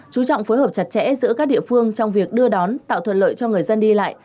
chú trọng phối hợp chặt chẽ giữa các địa phương trong việc đưa đón tạo thuận lợi cho người dân đi lại